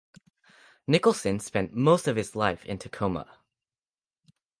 Nicholson spent most of his life in Tacoma.